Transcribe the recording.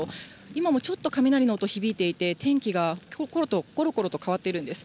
今もちょっと雷の音、響いていて、天気がころころと変わっているんです。